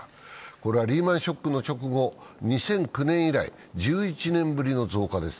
これはリーマン・ショックの直後、２００９年以来、１１年ぶりの増加です。